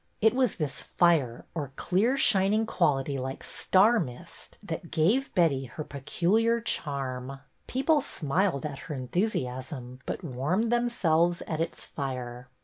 It was this fire or clear shining quality like star mist that gave Betty her peculiar charm. People smiled at her enthusiasm but warmed themselves at its fire.